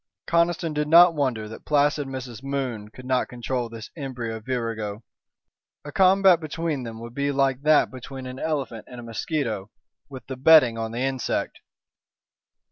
Conniston did not wonder that placid Mrs. Moon could not control this embryo virago. A combat between them would be like that between an elephant and a mosquito, with the betting on the insect.